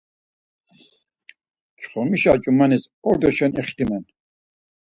Çxomişa ç̌umanis ordoşen ixtimen.